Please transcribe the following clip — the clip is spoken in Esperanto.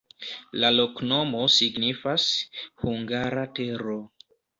La loknomo signifas: hungara-tero.